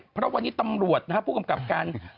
เพราะว่าวันนี้ตำรวจภูมิกลับการ